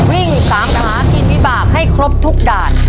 วิ่งตามหากินวิบากให้ครบทุกด่าน